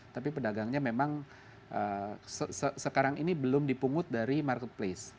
tapi pedagangnya memang sekarang ini belum dipungut dari marketplace